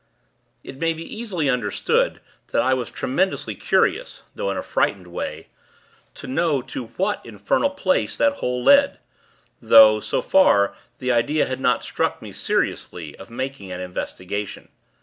It may be easily understood, that I was tremendously curious, though in a frightened way, to know to what infernal place that hole led; though, so far, the idea had not struck me, seriously, of making an investigation.